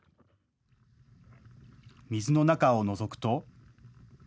水の中をのぞくと。